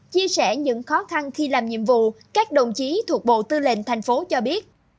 chia sẻ những khó khăn khi làm nhiệm vụ các đồng chí thuộc bộ tư lệnh thành phố cho biết